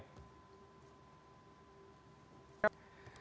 terima kasih banyak